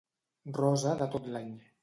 Rosa de tot l'any.